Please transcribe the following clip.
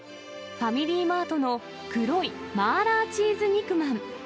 ファミリーマートの黒い麻辣チーズ肉まん。